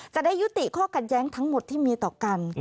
จะได้ยุติข้อขัดแย้งทั้งหมดที่มีต่อกัน